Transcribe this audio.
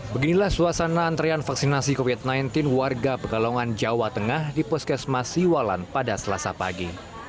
beginilah suasana antrean vaksinasi covid sembilan belas warga pegalongan jawa tengah di puskesmas siwalan pada selasa pagi